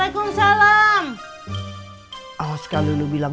jangan lupa subscribe channel radityabirdag